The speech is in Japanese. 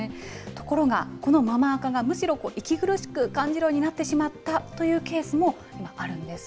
ところが、このママ垢が、むしろ息苦しく感じるようになってしまったというケースも今、あるんです。